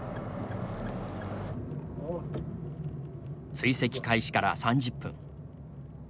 追跡開始から３０分。